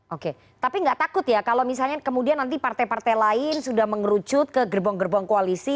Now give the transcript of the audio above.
oke tapi nggak takut ya kalau misalnya kemudian nanti partai partai lain sudah mengerucut ke gerbong gerbong koalisi